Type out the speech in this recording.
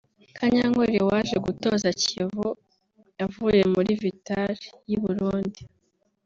Kanyankore waje gutoza Kiyovu avuye muri Vital’o y’i Burundi